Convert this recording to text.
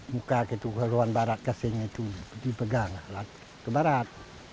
muka kita haluan barat kesing itu dipegang itu barat